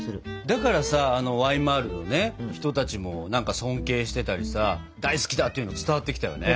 だからさあのワイマールのね人たちも尊敬してたりさ大好きだっていうの伝わってきたよね。